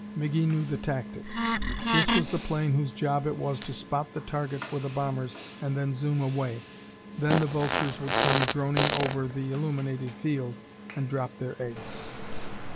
McGee knew the tactics. This was the plane whose job it was to spot the target for the bombers and then zoom away. Then the vultures would come droning over the illuminated field and drop their eggs.